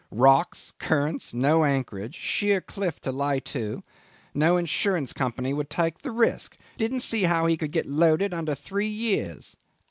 Rocks, currents, no anchorage, sheer cliff to lay to, no insurance company would take the risk, didn't see how he could get loaded under three years.